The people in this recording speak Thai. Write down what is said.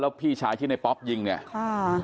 พี่ชายที่ในป๊อปยิงเนี่ยค่ะ